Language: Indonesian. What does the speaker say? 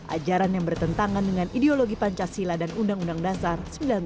ajaran yang bertentangan dengan ideologi pancasila dan undang undang dasar seribu sembilan ratus empat puluh lima